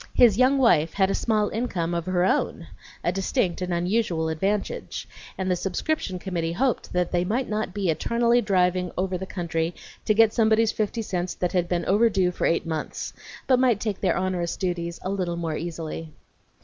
His young wife had a small income of her own, a distinct and unusual advantage, and the subscription committee hoped that they might not be eternally driving over the country to get somebody's fifty cents that had been over due for eight months, but might take their onerous duties a little more easily.